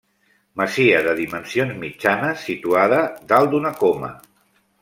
Masia de dimensions mitjanes situada dalt d'una coma.